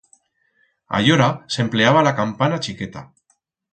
Allora s'empleaba la campana chiqueta.